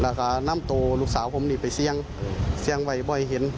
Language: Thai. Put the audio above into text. แล้วก็นำตัวลูกสาวผมนี่ไปเสี่ยงเสียงบ่อยเห็น